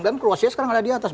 dan kroasia sekarang ada di atas